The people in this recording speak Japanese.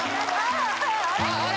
あれ？